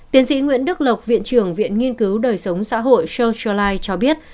tiến sĩ nguyễn đức lộc viện trưởng viện nghiên cứu đời sống xã hội social life cho biết